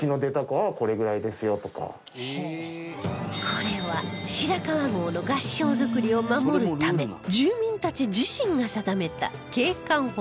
これは白川郷の合掌造りを守るため住民たち自身が定めた景観保存基準